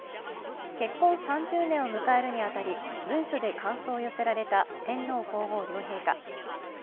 結婚３０年を迎えるに当たり文書で感想を寄せられた天皇皇后両陛下。